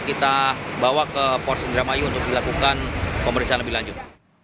kita bawa ke polres indramayu untuk dilakukan pemeriksaan lebih lanjut